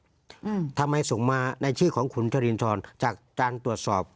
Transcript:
อืมทำไมส่งมาในชื่อของขุนจรินทรจากการตรวจสอบ